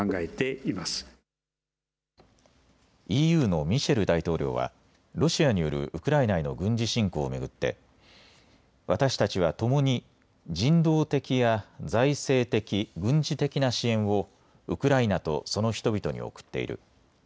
ＥＵのミシェル大統領はロシアによるウクライナへの軍事侵攻を巡って、私たちはともに人道的や財政的、軍事的な支援をウクライナとその人々に送っている。